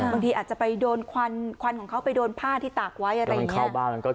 บางทีอาจจะไปโดนควันควันของเขาไปโดนผ้าที่ตากไว้อะไรอย่างนี้